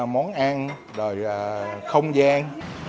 món ăn rồi không gian